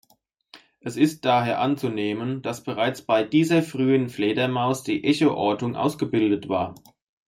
Es ist daher anzunehmen, dass bereits bei dieser frühen Fledermaus die Echoortung ausgebildet war.